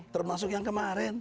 termasuk yang kemarin